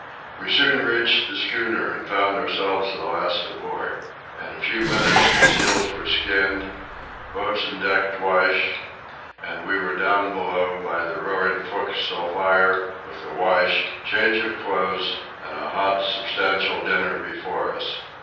We soon reached the schooner and found ourselves the last aboard. In a few minutes the seals were skinned, boats and decks washed, and we were down below by the roaring fo'castle fire, with a wash, change of clothes, and a hot, substantial supper before us.